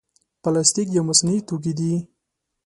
پلاستيک یو مصنوعي توکي دی.